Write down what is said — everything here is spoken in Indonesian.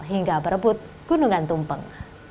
hingga berebut gunungan tumpeng